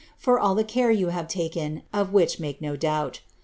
for all the care yon have taken, of which make no doubt.